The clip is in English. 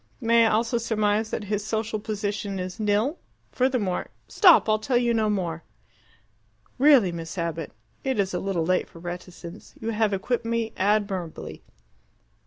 May I also surmise that his social position is nil? Furthermore " "Stop! I'll tell you no more." "Really, Miss Abbott, it is a little late for reticence. You have equipped me admirably!"